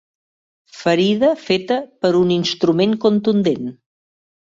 Ferida feta per un instrument contundent.